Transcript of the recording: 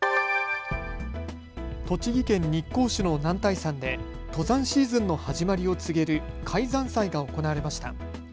栃木県日光市の男体山で登山シーズンの始まりを告げる開山祭が行われました。